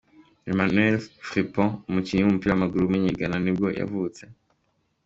Emmanuel Frimpong, umukinnyi w’umupira w’amaguru w’umunyegana nibwo yavutse.